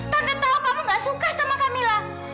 tante tahu kamu nggak suka sama kamila